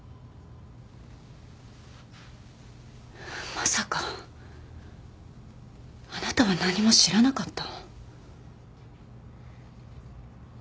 まさかあなたは何も知らなかった？